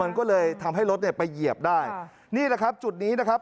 มันก็เลยทำให้รถเนี่ยไปเหยียบได้นี่แหละครับจุดนี้นะครับ